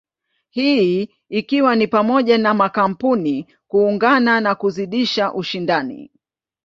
Hii ikiwa ni pamoja na makampuni kuungana na kuzidisha ushindani.